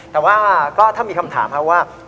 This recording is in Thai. แต่ว่าก็ถ้ามีคำถามครับว่า